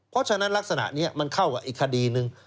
เพราะฉะนั้นลักษณะนี้มันเข้ากับอีกคดีหนึ่ง